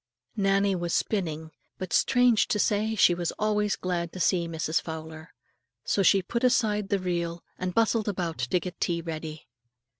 Nannie was spinning, but strange to say, she was always glad to see Mrs. Fowler. So she put aside the reel and bustled about to get tea ready.